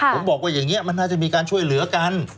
ผมบอกว่าอย่างนี้มันน่าจะมีการช่วยเหลือกัน